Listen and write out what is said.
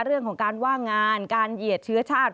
เรื่องของการว่างงานการเหยียดเชื้อชาติ